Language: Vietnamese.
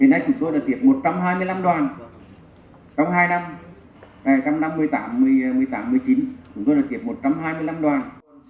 hiện nay chúng tôi là tiệp một trăm hai mươi năm đoàn trong hai năm một trăm năm mươi tám một mươi tám một mươi chín chúng tôi là tiệp một trăm hai mươi năm đoàn